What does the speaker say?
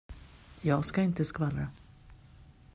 Jag ska inte skvallra.